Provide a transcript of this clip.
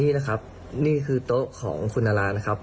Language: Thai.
นี่นะครับนี่คือโต๊ะของคุณนารานะครับ